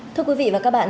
thưa quý vị và các bạn